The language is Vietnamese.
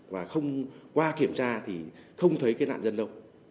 và qua kiểm tra thì không thấy cái nạn nhân đâu